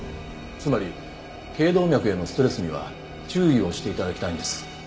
つまり頸動脈へのストレスには注意をして頂きたいんです。